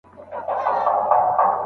• هېڅکله مه تسلیمېږه!